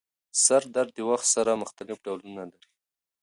سردرد د وخت سره مختلف ډولونه لري.